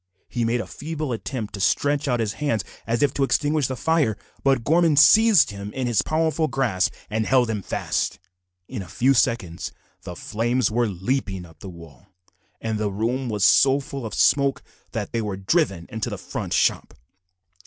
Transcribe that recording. He made a feeble effort to stretch out his hands as if to extinguish the fire, but Gorman seized him in his powerful grasp and held him fast. In a few seconds the flames were leaping up the walls, and the room was so full of smoke that they were driven into the front shop.